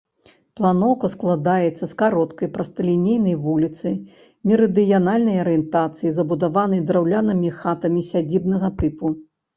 Планоўка складаецца з кароткай прасталінейнай вуліцы мерыдыянальнай арыентацыі, забудаванай драўлянымі хатамі сядзібнага тыпу.